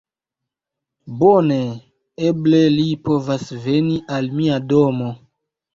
Bone! Eble li povas veni al mia domo!